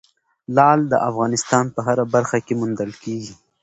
لعل د افغانستان په هره برخه کې موندل کېږي.